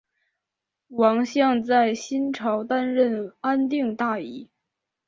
王向在新朝担任安定大尹。